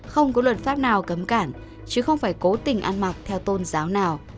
không có luật pháp nào cấm cản chứ không phải cố tình ăn mặc theo tôn giáo nào